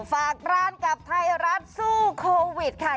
ฝากร้านกับไทยรัฐสู้โควิดค่ะ